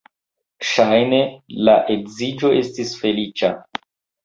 Ŝajne la edziĝo estis feliĉa.